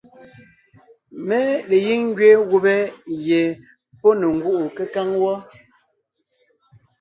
Mé le gíŋ ngẅeen gubé gie pɔ́ ne ngúʼu kékáŋ wɔ́.